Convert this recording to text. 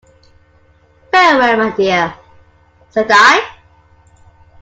"Very well, my dear," said I.